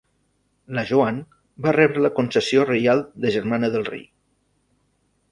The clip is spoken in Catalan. La Joan va rebre la concessió reial de germana del Rei.